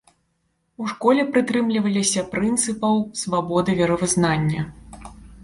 У школе прытрымліваліся прынцыпаў свабоды веравызнання.